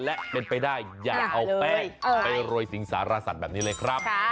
และเป็นไปได้อย่าเอาแป้งไปโรยสิงสารสัตว์แบบนี้เลยครับ